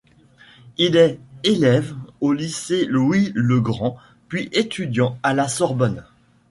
Il est élève au Lycée Louis-le-Grand puis étudiant à la Sorbonne.